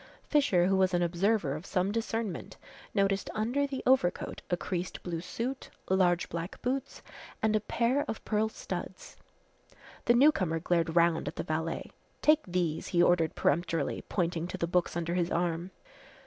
Fisher, who was an observer of some discernment, noticed under the overcoat a creased blue suit, large black boots and a pair of pearl studs. The newcomer glared round at the valet. "Take these!" he ordered peremptorily, pointing to the books under his arm.